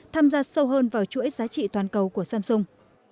tham gia sâu hơn vào chuỗi giá trị toàn cầu của samsung